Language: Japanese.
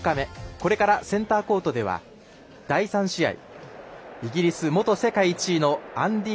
これからセンターコートでは第３試合イギリス元世界ランキング１位のアンディ